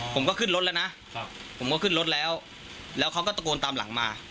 ผมก็ขึ้นรถแล้วนะผมก็ขึ้นรถแล้วแล้วเขาก็ตะโกนตามหลังมา